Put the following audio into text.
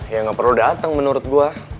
ya gak perlu datang menurut gue